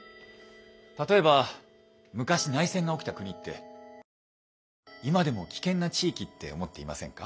例えば昔内戦が起きた国って何となく今でも危険な地域って思っていませんか？